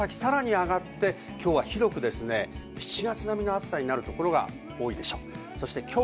今日は広く７月並みの暑さになるところが多いでしょう。